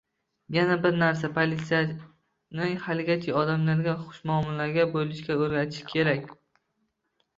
Yana bir narsa: politsiyani haligacha odamlarga xushmuomala bo'lishga o'rgatish kerak